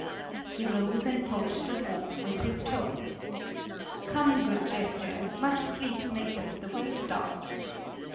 He rose and poked the dwarf with his toe. "Come, good jester, much sleep maketh the wits dull."